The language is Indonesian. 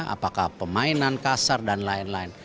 apakah permainan kasar dan lain lain